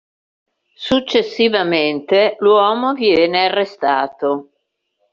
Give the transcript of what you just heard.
Successivamente l'uomo viene arrestato.